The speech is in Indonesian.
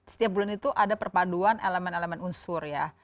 setiap bulan itu ada perpaduan elemen elemen unsur ya